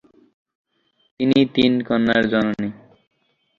তিনি তিন কন্যার জননী।